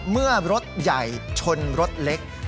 เมื่อรถใหญ่ชนรถเล็ก